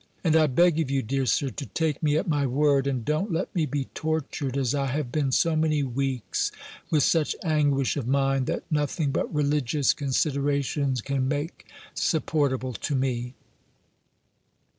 And I beg of you, dear Sir, to take me at my word; and don't let me be tortured, as I have been so many weeks, with such anguish of mind, that nothing but religious considerations can make supportable to me."